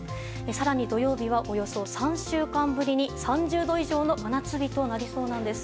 更に土曜日はおよそ３週間ぶりに３０度以上の真夏日となりそうなんです。